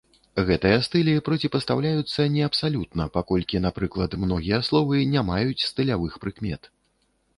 Гэтыя стылі проціпастаўляюцца не абсалютна, паколькі, напрыклад, многія словы не маюць стылявых прыкмет.